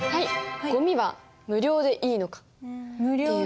「ゴミは無料でいいのか」っていう。